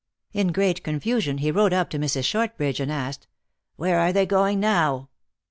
In great confusion, he rode up to Mrs. Shortridge, and asked, " Where are they going now?"